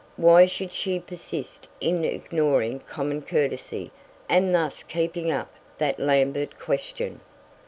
Why should she persist in ignoring common courtesy and thus keeping up that Lambert question?